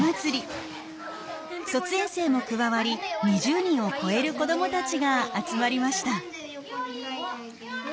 卒園生も加わり２０人を超える子どもたちが集まりました。